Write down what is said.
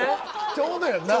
ちょうどやんな。